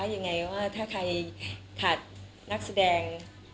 ยังไงว่าถ้าใครขาดนักแสดง